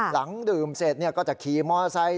หลังดื่มเสร็จก็จะขี่มอไซค